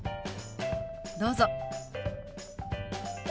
どうぞ。